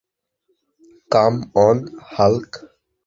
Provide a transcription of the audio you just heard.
Come on, Hulk!